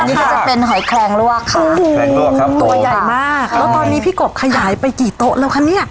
นี่ก็จะเป็นหอยแคลงลวกค่ะแรงลวกครับตัวใหญ่มากแล้วตอนนี้พี่กบขยายไปกี่โต๊ะแล้วคะเนี่ย